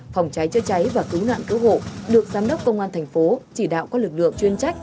phòng cháy chữa cháy và cứu nạn cứu hộ được giám đốc công an thành phố chỉ đạo các lực lượng chuyên trách